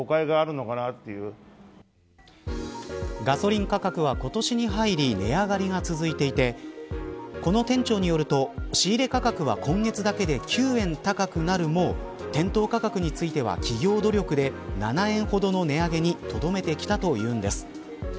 ガソリン価格は今年に入り値上がりが続いていてこの店長によると仕入れ価格は今月だけで９円高くなるも店頭価格については企業努力で７円ほどの値上げにとどめてきたというんです。